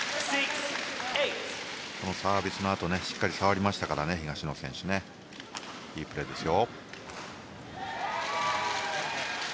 サービスのあとしっかり触りましたからね東野選手が。いいプレーですよ。